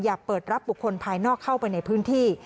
เปิดรับบุคคลภายนอกเข้าไปในพื้นที่